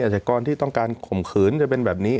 จากกรที่ต้องการข่มขืนจะเป็นแบบนี้